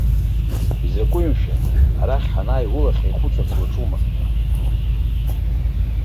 Изакәи, мшәа, ара ҳанааи улахь еиқәуҵарц уаҿума?